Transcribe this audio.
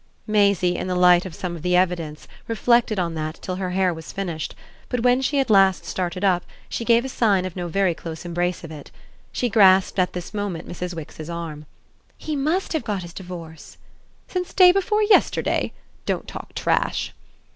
Maisie, in the light of some of the evidence, reflected on that till her hair was finished, but when she at last started up she gave a sign of no very close embrace of it. She grasped at this moment Mrs. Wix's arm. "He must have got his divorce!" "Since day before yesterday? Don't talk trash."